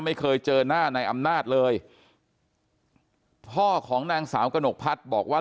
ไม่เคยเจอหน้านายอำนาจเลยพ่อของนางสาวกระหนกพัฒน์บอกว่า